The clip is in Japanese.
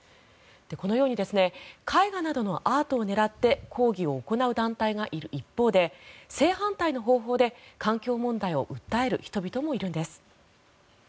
このように絵画などのアートを狙って抗議を行う団体がいる一方で正反対の方法で環境問題を訴える人々もいるんです。